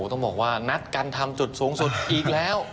ต้องบอกว่านัดการทำจุดสูงสุดอีกแล้ว